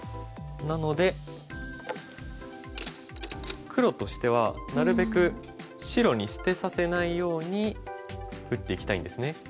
なので黒としてはなるべく白に捨てさせないように打っていきたいんですね。